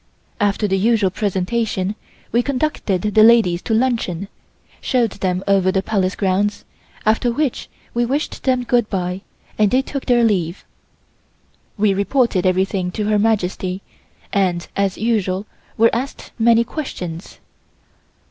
After the usual presentation we conducted the ladies to luncheon, showed them over the Palace grounds, after which we wished them good bye and they took their leave. We reported everything to Her Majesty, and as usual were asked many questions.